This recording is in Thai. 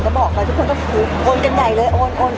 ก็บอกไปทุกคนคุ้มโอนกันใหญ่เลยโอน